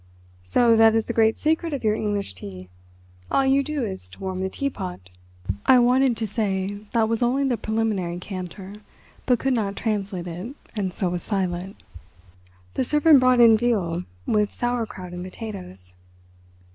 "So that is the great secret of your English tea? All you do is to warm the teapot." I wanted to say that was only the preliminary canter, but could not translate it, and so was silent. The servant brought in veal, with "sauerkraut" and potatoes.